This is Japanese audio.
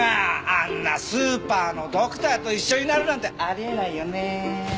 あんなスーパーのドクターと一緒になるなんてあり得ないよね。